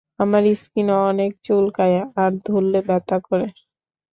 আমার স্কিন অনেক চুলকায় আর ধরলে ব্যথা করে।